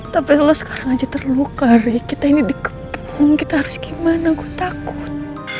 tapi selesai aja terluka rekit ini dikepung kita harus gimana gue takut